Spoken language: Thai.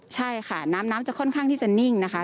ทุกผู้ชมค่ะเดี๋ยวนะคะ